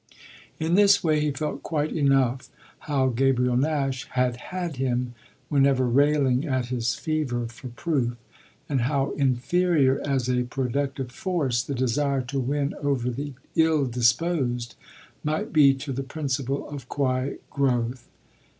In this way he felt quite enough how Gabriel Nash had "had" him whenever railing at his fever for proof, and how inferior as a productive force the desire to win over the ill disposed might be to the principle of quiet growth.